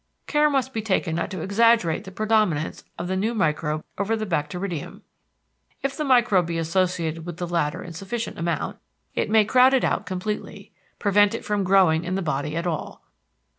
Care must be taken not to exaggerate the predominance of the new microbe over the bacteridium. If the microbe be associated with the latter in sufficient amount it may crowd it out completely—prevent it from growing in the body at all.